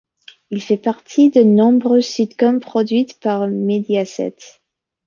Il fait partie de nombreuses sitcoms produites par Mediaset.